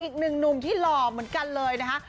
อีกหนึ่งหนุ่มที่หล่อเหมือนกันเลยนะคะ